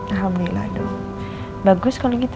alhamdulillah dong bagus kalau gitu